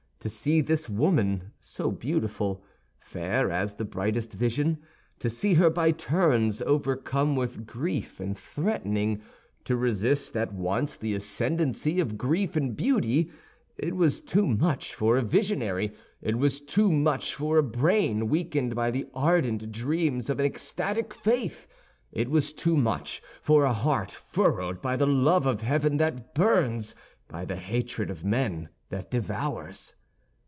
To see this woman, so beautiful, fair as the brightest vision, to see her by turns overcome with grief and threatening; to resist at once the ascendancy of grief and beauty—it was too much for a visionary; it was too much for a brain weakened by the ardent dreams of an ecstatic faith; it was too much for a heart furrowed by the love of heaven that burns, by the hatred of men that devours.